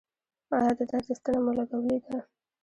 ایا د درد ستنه مو لګولې ده؟